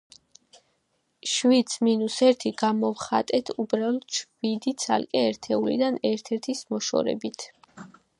შვიდს მინუს ერთი გამოვხატეთ უბრალოდ შვიდი ცალი ერთეულიდან ერთ-ერთის მოშორებით.